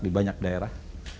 di banyak daerah